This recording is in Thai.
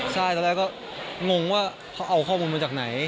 ใช่ตอนแรกก็งงว่าเขาเอาข้อมูลมาจากไหน